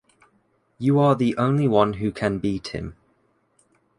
You are the only one who can beat him.